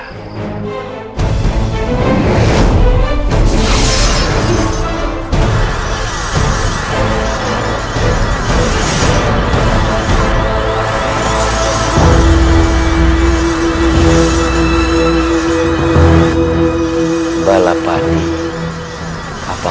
sambil membaca mantra